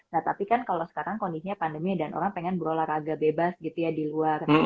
nah tapi kan kalau sekarang kondisinya pandemi dan orang pengen berolahraga bebas gitu ya di luar